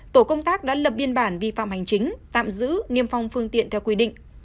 tổ công tác đã lập biên bản vi phạm hành chính tạm giữ niêm phong phương tiện theo quy định